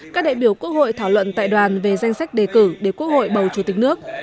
các đại biểu quốc hội thảo luận tại đoàn về danh sách đề cử để quốc hội bầu chủ tịch nước